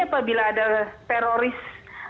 apabila ada teroris